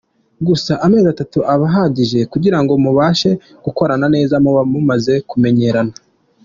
Gusa amezi atatu aba ahagije kugirango mubashe gukorana neza, muba mumaze kumenyerana.